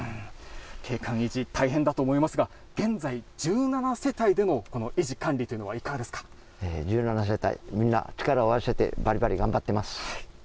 景観維持、大変だと思いますが、現在、１７世帯での維持管理１７世帯、みんな力を合わせてばりばり頑張ってます。